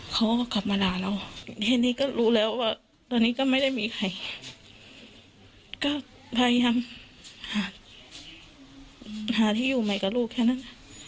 เขาก็กลับมาด่าเราทีนี้ก็รู้แล้วว่าตอนนี้ก็ไม่ได้มีใครก็พยายามหาที่อยู่ใหม่กับลูกแค่นั้น